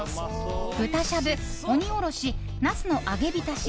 豚しゃぶ、鬼おろしナスの揚げ浸し